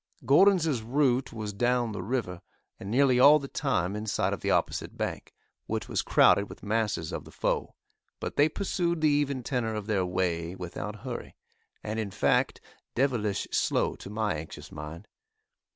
Gordon's route was down the river, and nearly all the time in sight of the opposite bank, which was crowded with masses of the foe, but they pursued the even tenor of their way without hurry, and in fact, devilish slow to my anxious mind.